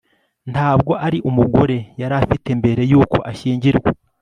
ntabwo ari umugore yari afite mbere yuko ashyingirwa